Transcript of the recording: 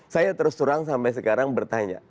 saya terus terang sampai sekarang bertanya